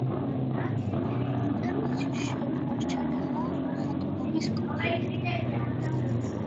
ინტერიერში შემორჩენილია მოხატულობის კვალი.